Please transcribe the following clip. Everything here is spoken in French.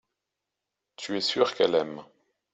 Tu es sûr qu’elle aime.